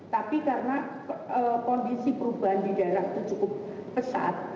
tapi karena kondisi perubahan di daerah itu cukup pesat